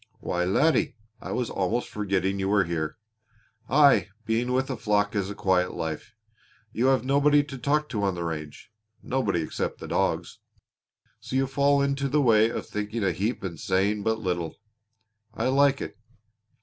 "Why, laddie, I was almost forgetting you were here! Aye, being with a flock is a quiet life. You have nobody to talk to on the range nobody except the dogs; so you fall into the way of thinking a heap and saying but little. I like it.